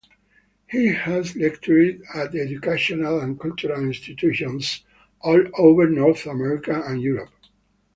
He has lectured at educational and cultural institutions all over North America and Europe.